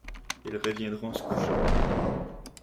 Ils reviendront se coucher.